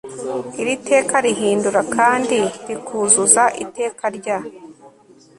iri teka rihindura kandi rikuzuza iteka rya